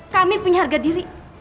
kami punya harga diri